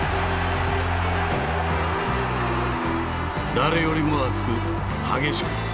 誰よりも熱く激しく。